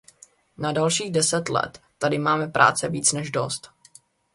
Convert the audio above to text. Na dalších deset let tedy máme práce víc než dost.